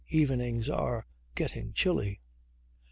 Evenings are getting chilly."